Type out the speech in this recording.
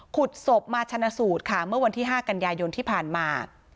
ขุดศพมาชนะสูตรค่ะเมื่อวันที่๕กันยายนที่ผ่านมา